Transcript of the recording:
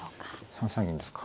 ３三銀ですか。